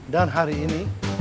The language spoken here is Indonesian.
dan hari ini